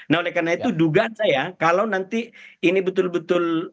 nah oleh karena itu dugaan saya kalau nanti ini betul betul